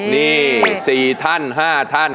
นี่๔ท่าน๕ท่าน